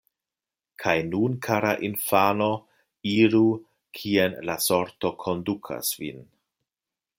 Kaj nun, kara infano, iru kien la sorto kondukas vin.